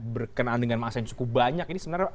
berkenaan dengan masa yang cukup banyak ini sebenarnya